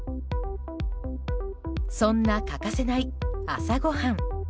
そんな欠かせない、朝ごはん。